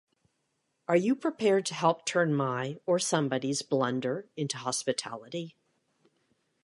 Are you prepared to help turn my, or somebody's, blunder into hospitality?